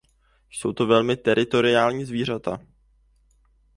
Jsou to velmi teritoriální zvířata.